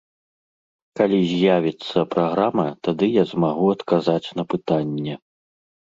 Калі з'явіцца праграма, тады я змагу адказаць на пытанне.